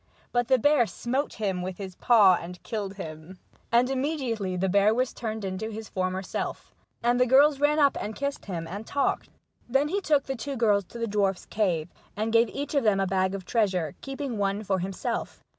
But the bear smote him with his paw and killed him, and immediately the bear was turned into his former self, and the girls ran up and kissed him, and talked. Then he took the two girls to the dwarf's cave, and gave each of them a bag of treasure, keeping one for himself.